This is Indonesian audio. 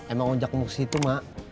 emang ojak mungsi itu mak